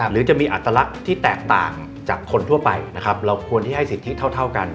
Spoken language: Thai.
หรือจะมีอัตรรักษ์ที่แตกต่างจากคนทั่วไปเราควรให้สิทธิเท่ากัน